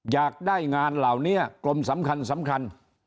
อยากได้งานเหล่านี้กรมสำคัญ